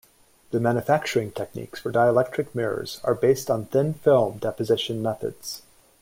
The manufacturing techniques for dielectric mirrors are based on thin-film deposition methods.